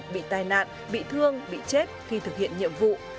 bị tai nạn bị thương bị chết khi thực hiện nhiệm vụ